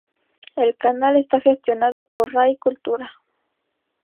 El canal está gestionado por Rai Cultura.